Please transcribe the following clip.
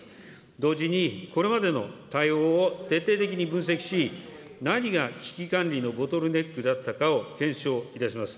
同時に、これまでの対応を徹底的に分析し、何が危機管理のボトルネックだったかを検証いたします。